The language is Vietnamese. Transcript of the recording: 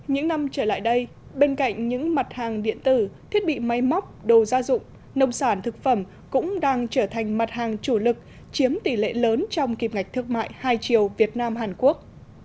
những năm trở lại đây bên cạnh những mặt hàng điện tử thiết bị máy móc đồ gia dụng nông sản thực phẩm cũng đang trở thành mặt hàng chủ lực chiếm tỷ lệ lớn trong kịp ngạch thương mại hai triệu việt nam hàn quốc